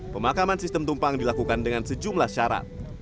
pemakaman sistem tumpang dilakukan dengan sejumlah syarat